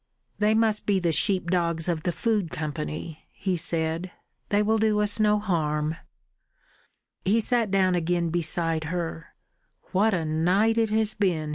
"They must be the sheep dogs of the Food Company," he said. "They will do us no harm." He sat down again beside her. "What a night it has been!"